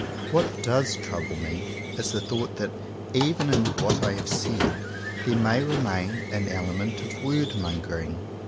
What does trouble me is the thought that, even in what I have said, there may remain an element of word mongering.